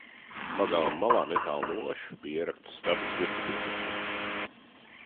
Pagalma malā netālu no oša bija ierakts stabs zirgu piesiešanai.